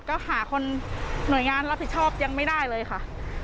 ก็หาคนหน่วยงานรับผิดชอบยังไม่ได้เลยค่ะ